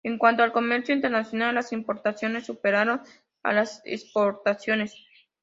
En cuanto al comercio internacional, las importaciones superaron a las exportaciones.